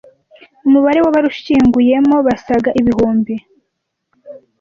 umubare w’abarushyinguyemo basaga ibihumbi